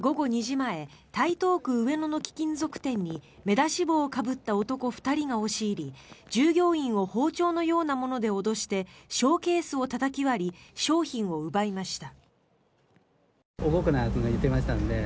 前台東区上野の貴金属店に目出し帽をかぶった男２人が押し入り従業員を包丁のようなもので脅してショーケースをたたき割り商品を奪いました。